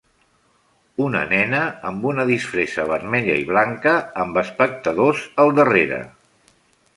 Una nena amb una disfressa vermella i blanca amb espectadors al darrere.